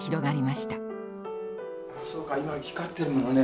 そうか今光ってるのがね